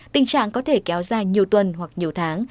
tình trạng có thể kéo dài nhiều tuần hoặc nhiều tháng